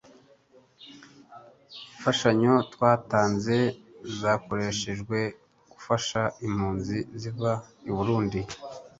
Imfashanyo twatanze zakoreshejwe gufasha impunzi ziva I Burundi